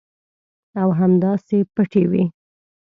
او همداسې پټې وي.